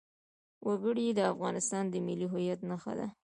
وګړي د افغانستان د ملي هویت نښه ده.